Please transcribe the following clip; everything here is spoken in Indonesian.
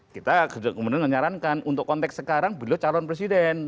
kita kemudian menyarankan untuk konteks sekarang beliau calon presiden